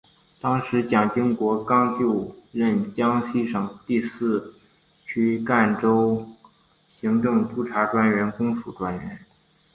当时蒋经国刚就任江西省第四区赣州行政督察专员公署专员。